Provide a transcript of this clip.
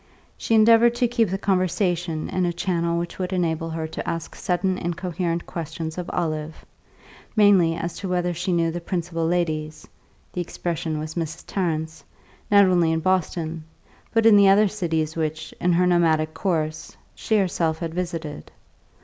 She endeavoured to keep the conversation in a channel which would enable her to ask sudden incoherent questions of Olive, mainly as to whether she knew the principal ladies (the expression was Mrs. Tarrant's), not only in Boston, but in the other cities which, in her nomadic course, she herself had visited.